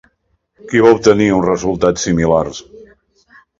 Qui va obtenir uns resultats similars?